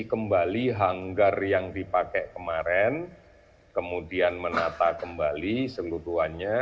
kembali hanggar yang dipakai kemarin kemudian menata kembali seluruhannya